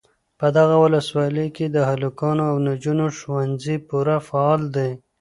په دغه ولسوالۍ کي د هلکانو او نجونو ښوونځي پوره فعال دي.